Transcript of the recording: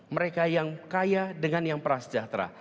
mereka yang kaya dengan yang prasejahtera